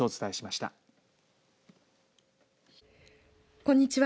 こんにちは。